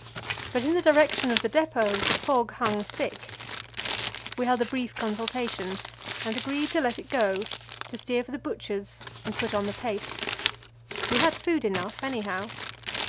But in the direction of the depot the fog hung thick. We held a brief consultation, and agreed to let it go, to steer for the Butcher's and put on the pace. We had food enough, anyhow.